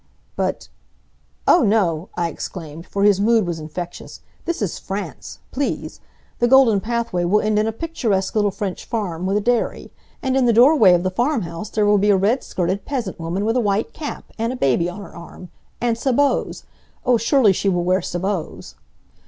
But, "Oh, no!" I exclaimed, for his mood was infectious. "This is France. Please! The golden pathway will end in a picturesque little French farm, with a dairy. And in the doorway of the farmhouse there will be a red skirted peasant woman, with a white cap! and a baby on her arm! and sabots! Oh, surely she will wear sabots!"